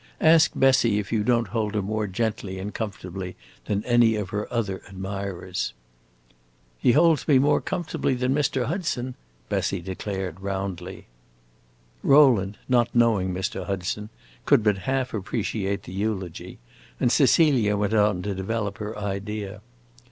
Ask Bessie if you don't hold her more gently and comfortably than any of her other admirers." "He holds me more comfortably than Mr. Hudson," Bessie declared, roundly. Rowland, not knowing Mr. Hudson, could but half appreciate the eulogy, and Cecilia went on to develop her idea.